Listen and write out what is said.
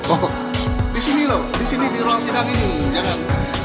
oh kok di sini loh di sini di ruang sidang ini jangan